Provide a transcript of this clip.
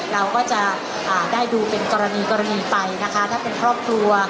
เราก็จะได้ดูเป็นกรณีกรณีไปนะคะถ้าเป็นครอบครัว